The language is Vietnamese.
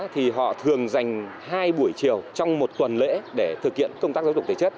thì họ thường dành hai buổi chiều trong một tuần lễ để thực hiện công tác giáo dục thể chất